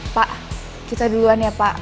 pak kita duluan ya pak